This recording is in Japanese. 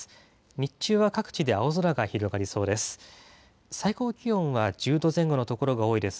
日中は各地で青空が広がりそうです。